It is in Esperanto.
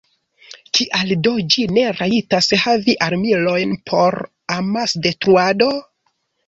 Kial do ĝi ne rajtas havi armilojn por amasdetruado?